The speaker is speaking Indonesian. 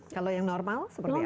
kalau yang normal seperti apa